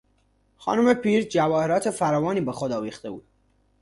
خانم پیر جواهرات فراوانی به خود آویخته بود.